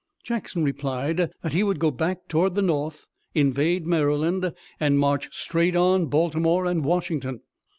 Jackson replied that he would go back toward the north, invade Maryland and march straight on Baltimore and Washington.